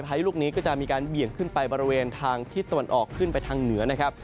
พายุลูกนี้ก็จะมีการเบี่ยงขึ้นไปบริเวณทางทิศตะวันออกขึ้นไปทางเหนือนะครับ